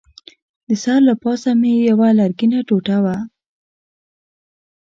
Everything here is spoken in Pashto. د سر له پاسه مې یوه لرګینه ټوټه وه.